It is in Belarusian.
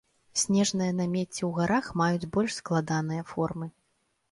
Снежныя намеці ў гарах маюць больш складаныя формы.